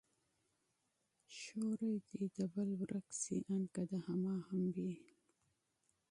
سيورى دي د بل ورک شي، آن که د هما هم وي